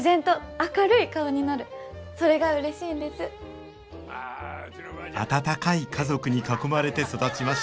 温かい家族に囲まれて育ちました